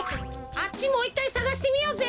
あっちもういっかいさがしてみようぜ。